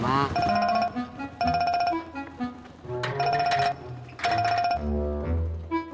nggak ada apa apa